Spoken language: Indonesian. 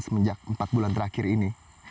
semenjak empat bulan terakhir ini